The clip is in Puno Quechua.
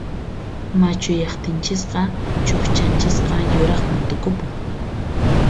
Machuyaqtinchisqa chuqchanchisqa yuraqman tukupun.